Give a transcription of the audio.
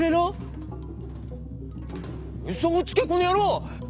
「うそをつけこのやろう。